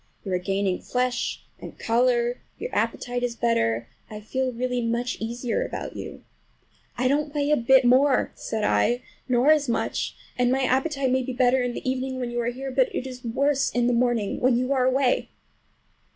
You are gaining flesh and color, your appetite is better. I feel really much easier about you." "I don't weigh a bit more," said I, "nor as much; and my appetite may be better in the evening, when you are here, but it is worse in the morning when you are away."